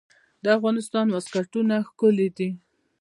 د افغانستان واسکټونه ښکلي دي